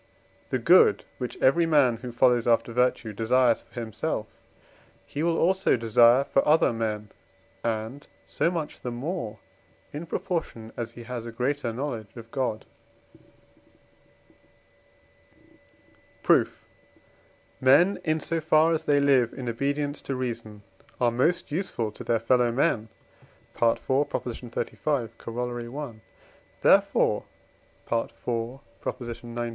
The good which every man, who follows after virtue, desires for himself he will also desire for other men, and so much the more, in proportion as he has a greater knowledge of God. Proof. Men, in so far as they live in obedience to reason, are most useful to their fellow men (IV. xxxv; Coroll. i.); therefore (IV. xix.)